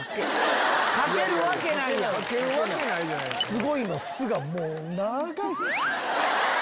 「すごい」の「す」がもう長い。